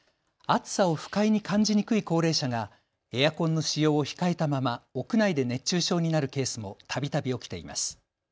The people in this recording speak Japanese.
暑さを不快に感じにくい高齢者がエアコンの使用を控えたまま屋内で熱中症になるケースもたびたび起きています。